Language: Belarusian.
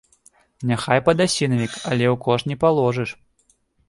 Няхай падасінавік, але ў кош не паложыш.